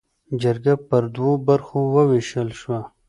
جرګه پر دوو برخو ووېشل شوه.